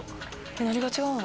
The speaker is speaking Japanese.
何が違うん？